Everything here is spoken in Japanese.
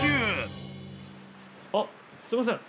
あっすいません。